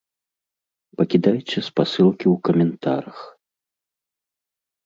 Пакідайце спасылкі ў каментарах!